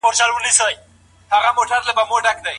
د اسلام دين د پوهني او رڼا خپروونکی دی.